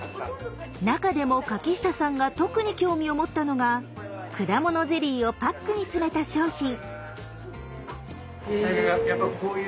中でも柿下さんが特に興味を持ったのが果物ゼリーをパックに詰めた商品。